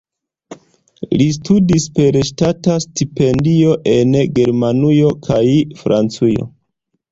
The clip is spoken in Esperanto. Li studis per ŝtata stipendio en Germanujo kaj Francujo.